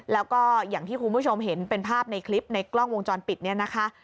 แล้วก็อย่างที่คุณผู้ชมเห็นเป็นภาพในคลิปในกล้องวงจรปิดเนี่ยนะคะ